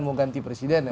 mau ganti presiden ya